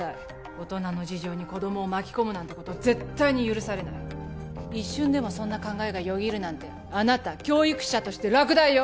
大人の事情に子供を巻き込むなんてこと絶対に許されない一瞬でもそんな考えがよぎるなんてあなた教育者として落第よ！